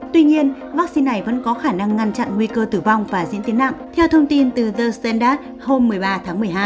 tuy nhiên vaccine này vẫn có khả năng ngăn chặn nguy cơ tử vong và diễn tiến nặng theo thông tin từ the standad hôm một mươi ba tháng một mươi hai